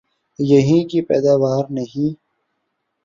یہیں کی پیداوار نہیں؟